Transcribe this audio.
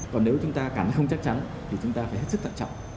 còn nếu chúng ta cắn không chắc chắn thì chúng ta phải hết sức tạm trọng